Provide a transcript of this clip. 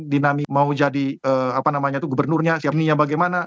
dinami mau jadi apa namanya itu gubernurnya jerninya bagaimana